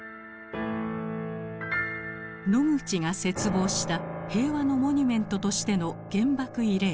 ノグチが切望した平和のモニュメントとしての原爆慰霊碑。